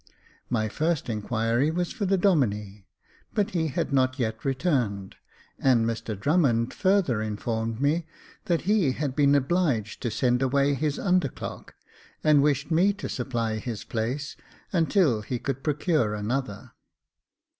My first inquiry was for the Domine ; but he had not yet returned ; and Mr Drummond further informed me that he had been obliged to send away his under clerk, and wished me to supply his place until he could procure another.